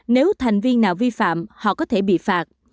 nếu thành viên nào vi phạm họ có thể bị phạt